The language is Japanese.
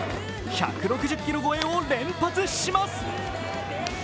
１６０キロ超えを連発します。